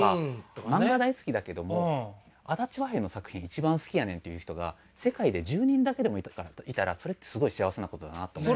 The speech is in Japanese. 「漫画大好きだけども足立和平の作品一番好きやねん」っていう人が世界で１０人だけでもいたらそれってすごい幸せなことだなと思って。